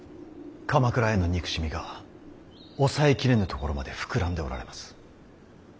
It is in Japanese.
鎌倉への憎しみが抑え切れぬところまで膨らんでおられます。